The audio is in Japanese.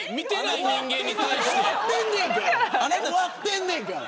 終わってんねんから。